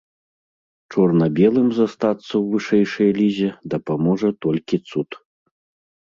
Чорна-белым застацца ў вышэйшай лізе дапаможа толькі цуд.